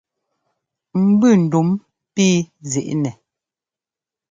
Mbʉ ndúm píi zǐi nɛ.